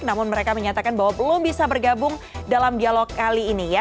namun mereka menyatakan bahwa belum bisa bergabung dalam dialog kali ini ya